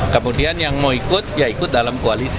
kemudian yang mau ikut ya ikut dalam koalisi